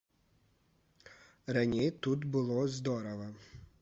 Раней тут было здорава.